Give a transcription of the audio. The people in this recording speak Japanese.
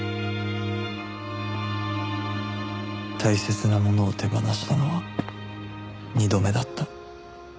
大切なものを手放したのは２度目だった